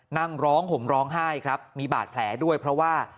นั่งร้องห่มร้องไห้ครับมีบาดแผลด้วยเพราะว่า